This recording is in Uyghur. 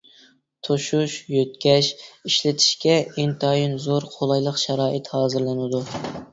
توشۇش، يۆتكەش، ئىشلىتىشكە ئىنتايىن زور قولايلىق شارائىت ھازىرلىنىدۇ.